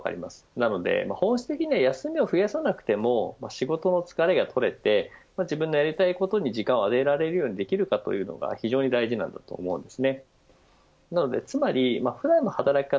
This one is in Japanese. なので、本質的には休みを増やさなくても仕事の疲れが取れて自分のやりたいこと時間を充てられるようにできるかというのが非常に大事だと思います。